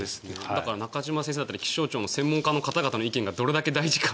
だから、中島先生だとか気象庁の専門家の方々の意見がどれだけ大事か。